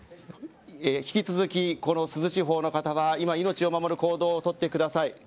引き続きこの珠洲地方の方は今、命を守る行動を取ってください。